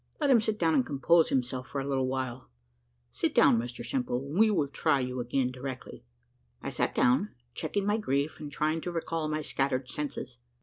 Let him sit down and compose himself for a little while. Sit down, Mr Simple, and we will try you again directly." I sat down, checking my grief and trying to recall my scattered senses.